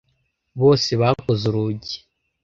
Bose bakoze urugi.